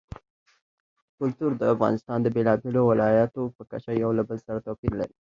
کلتور د افغانستان د بېلابېلو ولایاتو په کچه یو له بل سره توپیر لري.